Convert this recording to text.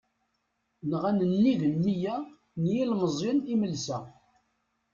Nɣan nnig n miyya n yilmeẓyen imelsa.